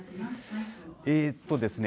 えっとですね